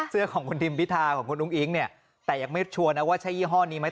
เสื้อของคุณทิมพิธาของคุณอุ้งอิ๊งเนี่ยแต่ยังไม่ชัวร์นะว่าใช่ยี่ห้อนี้ไหม